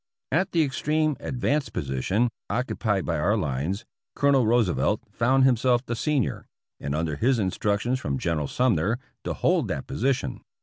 At the extreme advanced position occupied by our lines. Colonel Roosevelt found himself the senior, and under his instructions from General Sumner to hold that position.